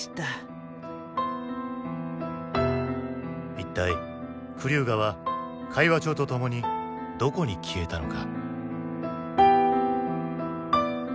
一体クリューガは会話帳と共にどこに消えたのか？